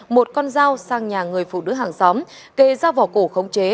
một con dao sang nhà người phụ nữ hàng xóm kệ dao vỏ cổ không chế